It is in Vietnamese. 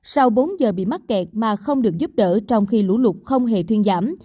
sau bốn giờ bị mắc kẹt mà không được giúp đỡ trong khi lũ lụt không hề thuyên giảm